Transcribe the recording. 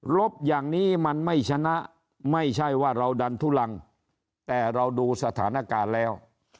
บอย่างนี้มันไม่ชนะไม่ใช่ว่าเราดันทุลังแต่เราดูสถานการณ์แล้ว